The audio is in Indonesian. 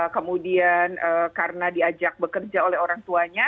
kemudian karena diajak bekerja oleh orang tuanya